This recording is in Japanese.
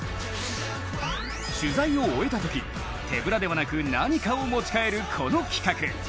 取材を終えたとき手ぶらではなく何かを持ち帰る、この企画。